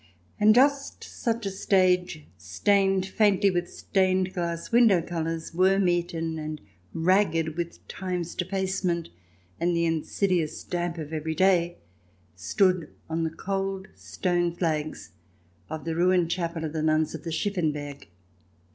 And just such a stage, stained faintly with stained glass window colours, worm eaten and ragged with Time's defacement and the insidious damp of every day, stood on the cold stone flags of the ruined chapel of the nuns of the Schiffenberg.